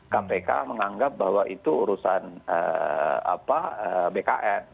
kpk menganggap bahwa itu urusan bkn